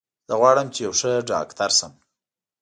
زه غواړم چې یو ښه ډاکټر شم